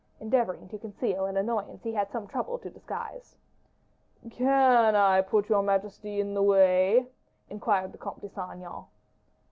endeavoring to conceal an annoyance he had some trouble to disguise. "Can I put your majesty in the way?" inquired the Comte de Saint Aignan.